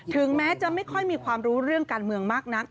ถึงแม้จะไม่ค่อยมีความรู้เรื่องการเมืองมากนัก